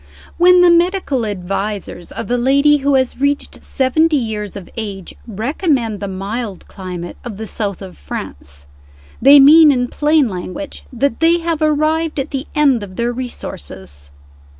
When the medical advisers of a lady who has reached seventy years of age recommend the mild climate of the South of France, they mean in plain language that they have arrived at the end of their resources.